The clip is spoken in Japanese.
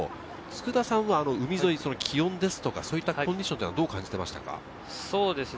佃さんは海沿い、気温ですとか、コンディションはどう感じていましたか？